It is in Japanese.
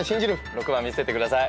６番見せてください。